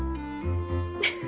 フフ。